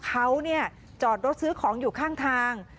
เขาจอดรถซื้อของอยู่ข้างทาง